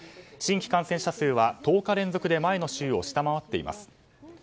新規感染者数は１０日連続で前の週を下回っています。